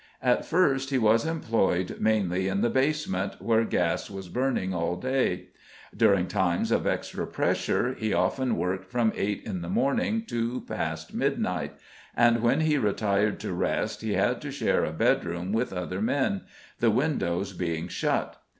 At first he was employed mainly in the basement, where gas was burning all day. During times of extra pressure he often worked from eight in the morning to past midnight, and when he retired to rest he had to share a bedroom with other men, the windows being shut.